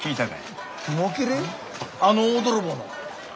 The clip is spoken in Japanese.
あの大泥棒の？